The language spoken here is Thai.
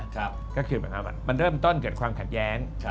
ก็คือมันเริ่มต้นเกิดความขัดแย้ง